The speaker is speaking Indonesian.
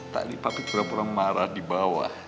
tadi papi kurang kurang marah dibawah